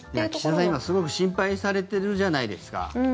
岸田さん、今すごく心配されてるじゃないですか。